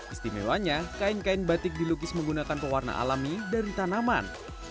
istimewanya kain kain batik dilukis menggunakan pewarna alami dari tanaman